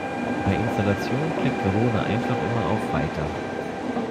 Bei Installationen klickt Verona einfach immer auf "Weiter".